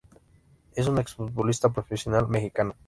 Es un ex-futbolista profesional mexicano.